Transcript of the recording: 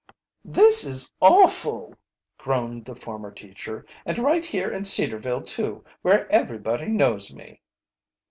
"This is awful!" groaned the former teacher. "And right here in Cedarville, too, where everybody knows me!"